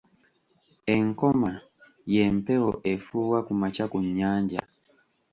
Enkoma y'empewo efuuwa ku makya ku nnyanja.